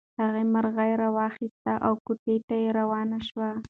هغه مرغۍ راواخیسته او کوټې ته روان شو.